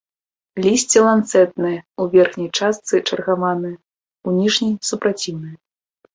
Лісце ланцэтнае, у верхняй частцы чаргаванае, у ніжняй супраціўнае.